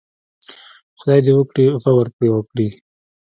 خدای دې وکړي غور پرې وکړي.